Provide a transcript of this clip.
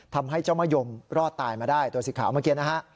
ทำให้เจ้ามะยมรอดตายมาได้ตัวสีขาวเมื่อกี้นะฮะ